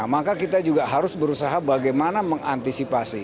maka kita juga harus berusaha bagaimana mengantisipasi